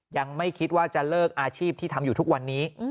ยังไม่คิดว่าจะเลิกอาชีพที่ทำอยู่ทุกวันนี้